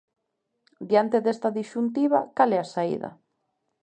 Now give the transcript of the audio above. Diante desta disxuntiva, cal é a saída?